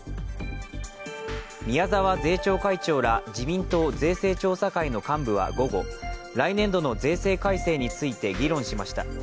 宮沢税調会長ら自民党税制調査会の幹部は午後、来年度の税制改正について議論しました。